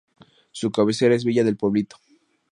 Su cabecera es Villa del Pueblito.